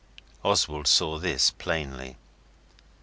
Oswald saw this plainly.